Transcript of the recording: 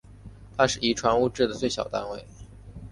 它是遗传物质的最小单位。